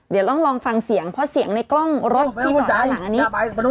เดี๋ยวต้องลองฟังเสียงเพราะเสียงในกล้องรถที่อยู่ด้านหลังอันนี้